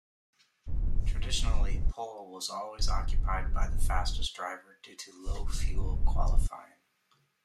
Traditionally, pole was always occupied by the fastest driver due to low-fuel qualifying.